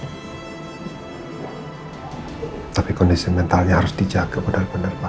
hai tapi kondisi mentalnya harus dijaga benar benar pak